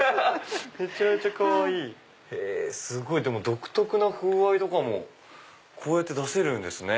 独特な風合いとかもこうやって出せるんですね。